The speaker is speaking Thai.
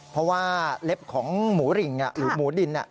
เพราะว่าเล็บของหมูริงหรือหมูดิน